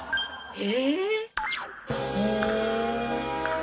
え？